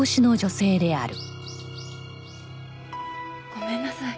ごめんなさい。